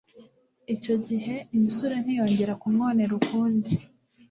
Icyo gihe imisure ntiyongera kumwonera ukundi